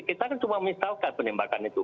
kita kan cuma misalkan penembakan itu